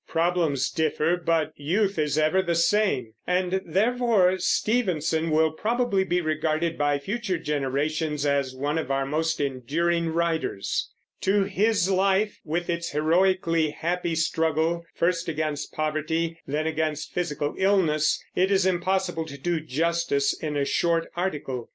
Problems differ, but youth is ever the same, and therefore Stevenson will probably be regarded by future generations as one of our most enduring writers. To his life, with its "heroically happy" struggle, first against poverty, then against physical illness, it is impossible to do justice in a short article.